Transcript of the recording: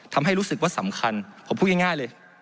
ทำให้รู้สึกว่าสำคัญผมพูดง่ายเลย